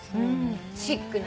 シックな？